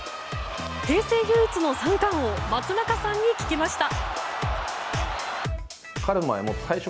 平成唯一の三冠王松中さんに聞きました。